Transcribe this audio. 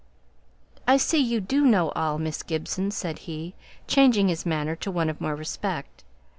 "I see you do know all, Miss Gibson," said he, changing his manner to one of more respect.